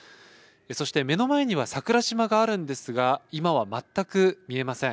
そして目の前には桜島があるんですが今は全く見えません。